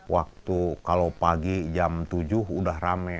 waktu kalau pagi jam tujuh udah rame